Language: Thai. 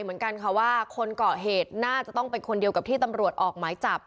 เหมือนกันค่ะว่าคนเกาะเหตุน่าจะต้องเป็นคนเดียวกับที่ตำรวจออกหมายจับ